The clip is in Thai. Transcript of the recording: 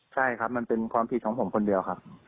ใช่ครับมันเป็นความผิดของผมคนเดียวครับ